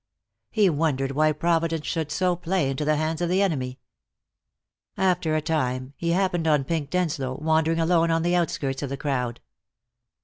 He wondered why Providence should so play into the hands of the enemy. After a time he happened on Pink Denslow, wandering alone on the outskirts of the crowd.